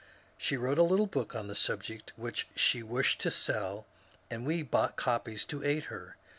She wrote a little book on the subject which she wished to sell, and we bought copies to aid her.